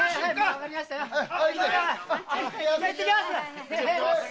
行ってきます。